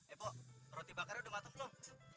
eh pok roti bakarnya udah mateng loh